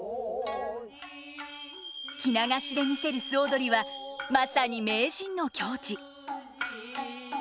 着流しで見せる素踊りはまさに名人の境地。